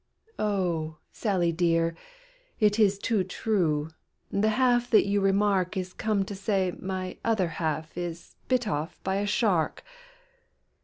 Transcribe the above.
"Oh! Sally dear, it is too true, The half that you remark Is come to say my other half Is bit off by a shark!